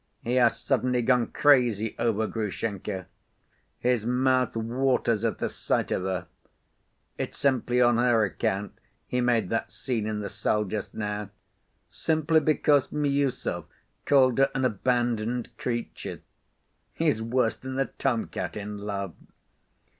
He has suddenly gone crazy over Grushenka. His mouth waters at the sight of her. It's simply on her account he made that scene in the cell just now, simply because Miüsov called her an 'abandoned creature.' He's worse than a tom‐cat in love.